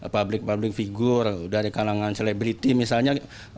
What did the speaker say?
publik publik figur dari kalangan selebriti misalnya